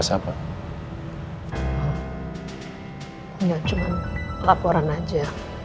tidak cuma laporan saja